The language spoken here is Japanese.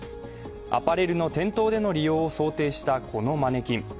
アパレルの店頭での利用を想定したこのマネキン。